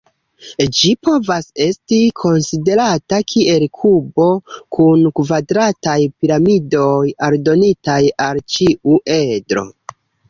Ĝi povas esti konsiderata kiel kubo kun kvadrataj piramidoj aldonitaj al ĉiu edro.